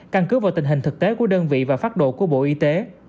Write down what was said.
căn cứ vào tình hình thực tế của đơn vị và phát độ của bộ y tế